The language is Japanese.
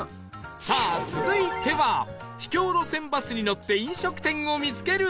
さあ続いては秘境路線バスに乗って飲食店を見つける旅